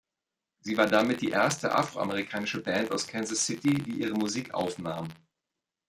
Sie war damit die erste afroamerikanische Band aus Kansas City, die ihre Musik aufnahm.